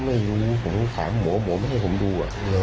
ไม่รู้ผมถามหมอหมอไม่ให้ผมดู